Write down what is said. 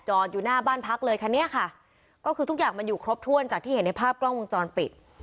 อยู่หน้าบ้านพักเลยคันนี้ค่ะก็คือทุกอย่างมันอยู่ครบถ้วนจากที่เห็นในภาพกล้องวงจรปิด